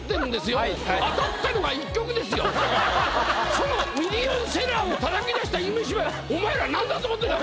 そのミリオンセラーをたたき出した「夢芝居」お前らなんだと思ってんだ。